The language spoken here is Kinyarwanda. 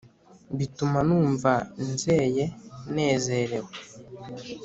bituma numva nzeye nezerewe